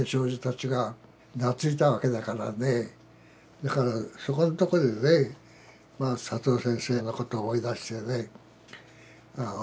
だからそこんとこでねまあ佐藤先生のことを思い出してねああ